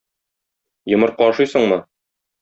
Йомырка ашыйсыңмы?